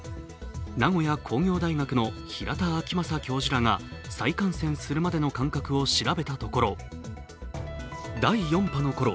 名古屋工業大学の平田晃正教授らが再感染するまでの間隔を調べたところ第４波のころ